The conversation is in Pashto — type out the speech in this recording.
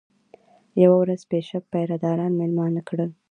یوه ورځ بیشپ پیره داران مېلمانه کړل.